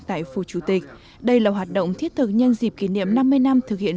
tại phủ chủ tịch đây là hoạt động thiết thực nhân dịp kỷ niệm năm mươi năm thực hiện